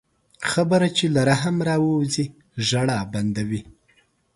خبره چې له رحم راووځي، ژړا بندوي